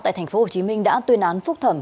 tại tp hcm đã tuyên án phúc thẩm